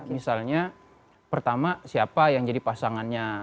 misalnya pertama siapa yang jadi pasangannya